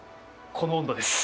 「この温度です」。